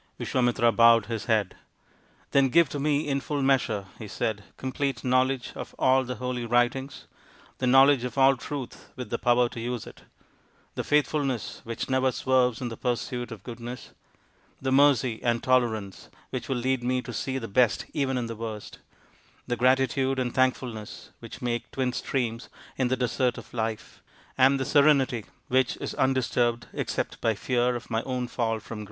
Visvamitra bowed his head. " Then give to me in full measure," he said, " complete knowledge of all the holy writings, the knowledge of all Truth with the power to use it, the faithfulness which never swerves in the pursuit of Goodness, the Mercy and Tolerance which will lead me to see the best even in the worst, the Gratitude and Thankfulness which make twin streams in the Desert of Life, and the Serenity which is undisturbed except by fear of my own fall from grace."